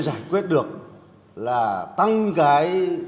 giải quyết được là tăng cái